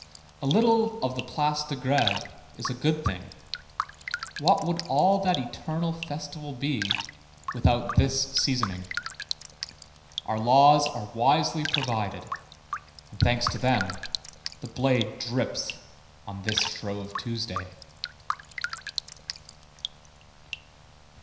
A little of the Place de Grève is a good thing. What would all that eternal festival be without this seasoning? Our laws are wisely provided, and thanks to them, this blade drips on this Shrove Tuesday.